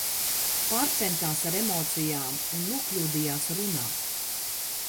Pārcentās ar emocijām un nokļūdījās runā!